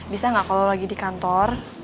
bisa gak kalau lo lagi di kantor